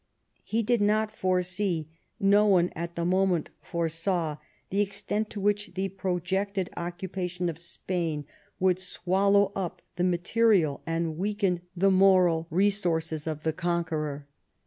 He did not foresee, no one at the moment foresaw, the extent to which the projected occupa tion of Spain would swallow up the material, and weaken the moral, resources of the conqueror.